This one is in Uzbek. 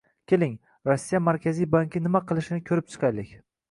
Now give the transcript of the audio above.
Keling, Rossiya Markaziy banki nima qilishini ko'rib chiqaylik